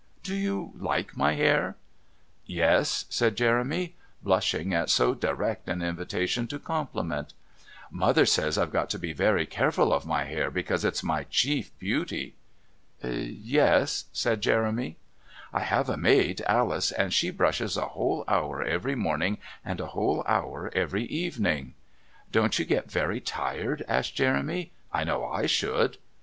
Do you like my hair?" "Yes," said Jeremy, blushing at so direct an invitation to compliment. "Mother says I've got to be very careful of my hair because it's my chief beauty." "Yes," said Jeremy. "I have a maid, Alice, and she brushes a whole hour every morning and a whole hour every evening." "Don't you get very tired?" asked Jeremy. "I know I should."